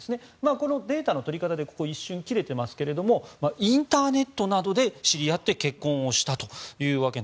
このデータのとり方で一瞬切れていますがインターネットなどで知り合って結婚したという。